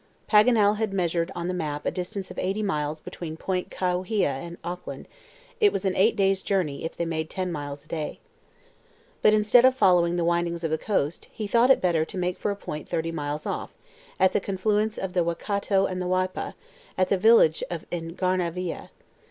Paganel had measured on the map a distance of eighty miles between Point Kawhia and Auckland; it was an eight days' journey if they made ten miles a day. But instead of following the windings of the coast, he thought it better to make for a point thirty miles off, at the confluence of the Waikato and the Waipa, at the village of Ngarnavahia.